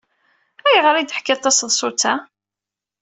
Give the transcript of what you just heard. Ayɣer ay d-teḥkiḍ taseḍsut-a?